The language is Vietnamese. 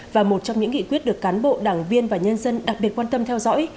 và một trong những nghị quyết được cán bộ đảng viên và nhân dân đặc biệt quan tâm theo dõi